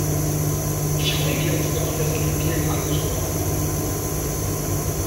Schauen wir uns doch das Libyen-Engagement an!